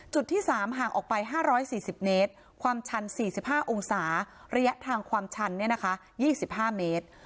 ที่๓ห่างออกไป๕๔๐เมตรความชัน๔๕องศาระยะทางความชัน๒๕เมตร